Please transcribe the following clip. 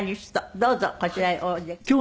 どうぞこちらへおいでください。